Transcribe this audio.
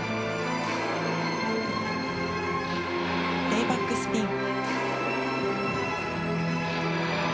レイバックスピン。